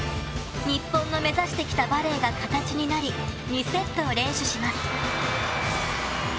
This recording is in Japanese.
日本の目指してきたバレーが形になり２セットを連取します。